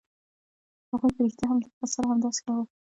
هغوی په رښتیا هم له هغه سره همداسې کول